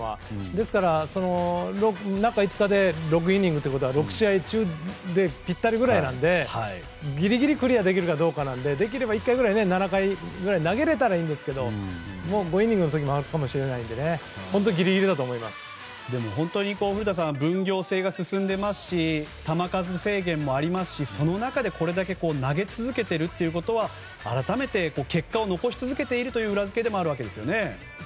ですから、中５日で６イニングということは６試合中でピッタリぐらいなのでギリギリクリアできるかどうかなのでできれば１回ぐらい７回ぐらい投げれたらいいですけどもう５イニングの時もあるかもしれないので本当に古田さん分業制が進んでいますし球数制限もありますしその中で、これだけ投げ続けているということは改めて、結果を残し続けているという裏付けでもあるわけですよね。